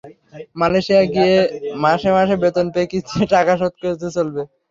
Malaysia গিয়ে মাসে মাসে বেতন পেয়ে কিস্তিতে টাকা শোধ করলে চলবে।